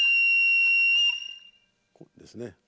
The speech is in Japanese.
こうですね。